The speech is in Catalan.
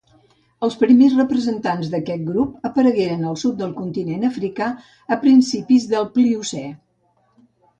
Els primers representants d'aquest grup aparegueren al sud del continent africà a principis del Pliocè.